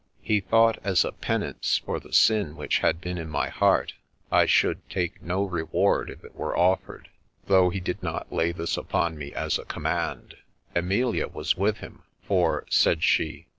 He thought as a penance for the sin which had been in my heart, I should take no reward if it were offered, though he did not lay this upon me as a command. Emilia was with him, for, said she.